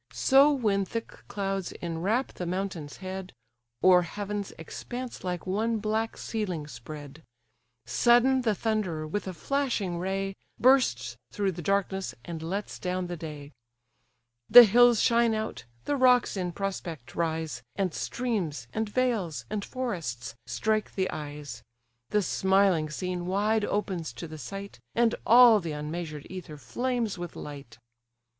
So when thick clouds enwrap the mountain's head, O'er heaven's expanse like one black ceiling spread; Sudden the Thunderer, with a flashing ray, Bursts through the darkness, and lets down the day: The hills shine out, the rocks in prospect rise, And streams, and vales, and forests, strike the eyes; The smiling scene wide opens to the sight, And all the unmeasured ether flames with light.